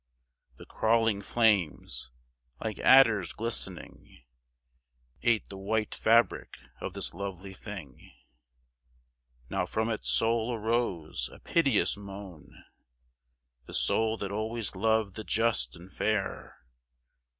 The crawling flames, like adders glistening Ate the white fabric of this lovely thing. Now from its soul arose a piteous moan, The soul that always loved the just and fair.